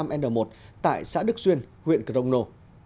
ổ dịch được phát hiện tại xã đức xuyên huyện crono